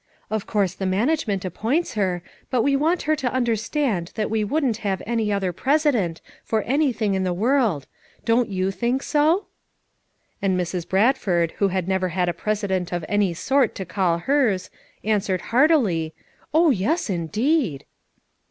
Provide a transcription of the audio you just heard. Of course the Management appoints her, but we want her to understand that we wouldn't have any other president for anything in the world. Don't you feel so?" And Mrs. Bradford who had never had a FOUR MOTHERS AT CHAUTAUQUA 303 president of any sort to call hers, answered heartily, "Oh, yes, indeed!"